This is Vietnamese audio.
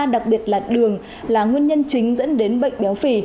đặc biệt là đường là nguyên nhân chính dẫn đến bệnh béo phì